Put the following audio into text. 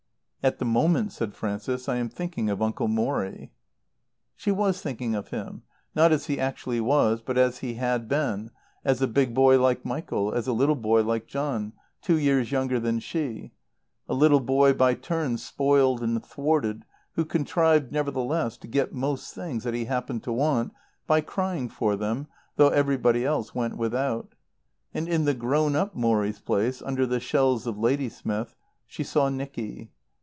"At the moment," said Frances, "I am thinking of Uncle Morrie." She was thinking of him, not as he actually was, but as he had been, as a big boy like Michael, as a little boy like John, two years younger than she; a little boy by turns spoiled and thwarted, who contrived, nevertheless, to get most things that he happened to want by crying for them, though everybody else went without. And in the grown up Morrie's place, under the shells of Ladysmith, she saw Nicky.